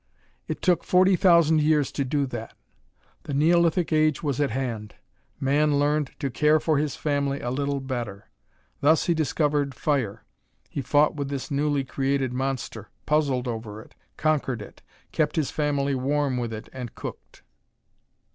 It took forty thousand years to do that! The Neolithic Age was at hand. Man learned to care for his family a little better. Thus, he discovered fire. He fought with this newly created monster; puzzled over it; conquered it; kept his family warm with it and cooked.